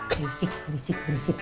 berisik berisik udah ribet